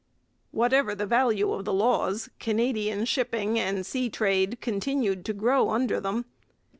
Whatever the value of the laws, Canadian shipping and sea trade continued to grow under them.